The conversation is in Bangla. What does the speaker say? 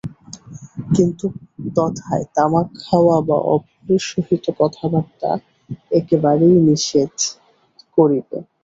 কিন্তু তথায় তামাক খাওয়া বা অপরের সহিত কথাবার্তা একেবারেই নিষেধ করিবে।